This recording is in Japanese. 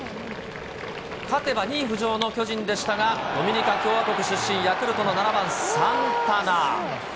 勝てば２位浮上の巨人でしたが、ドミニカ共和国出身、ヤクルトの７番サンタナ。